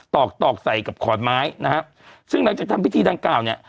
อกตอกใส่กับขอนไม้นะฮะซึ่งหลังจากทำพิธีดังกล่าวเนี่ย